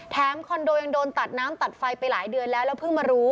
คอนโดยังโดนตัดน้ำตัดไฟไปหลายเดือนแล้วแล้วเพิ่งมารู้